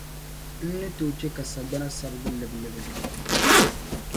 N ni tooi chɛ ka sagbana sabigi libilibi.